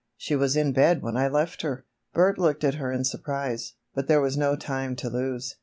She was in bed when I left her!" Bert looked at her in surprise, but there was no time to lose.